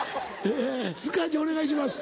塚地お願いします。